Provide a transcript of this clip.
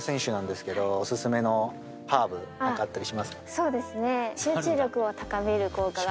そうですね。